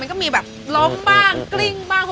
ก็มีแบบล้มบ้างกลิ้งบ้าง